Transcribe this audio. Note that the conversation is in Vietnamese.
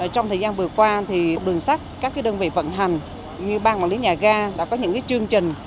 trong thời gian vừa qua thì đường sắt các cái đơn vị vận hành như bang bản lý nhà gai đã có những cái chương trình